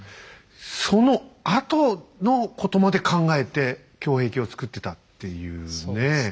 そのあとのことまで考えて胸壁を造ってたっていうね。